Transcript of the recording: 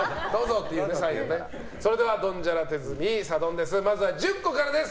それではドンジャラ手積みサドンデスまずは１０個からです。